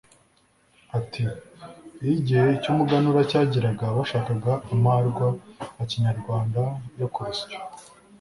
Ati "Iyo igihe cy’Umuganura cyageraga bashakaga amarwa ya Kinyarwanda yo ku rusyo